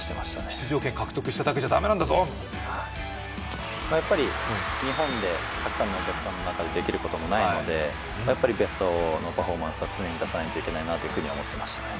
出場権獲得しただけじゃ駄目なんだぞと日本でたくさんのお客さんの中でできることはないのでベストのパフォーマンスを常に出さないといけないなと思ってました。